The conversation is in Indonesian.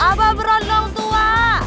apa berondong tua